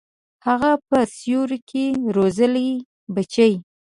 هغه په سیوري کي روزلي بچي